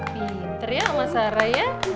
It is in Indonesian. pinter ya sama sarah ya